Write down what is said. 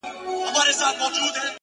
لاس يې د ټولو کايناتو آزاد. مړ دي سم.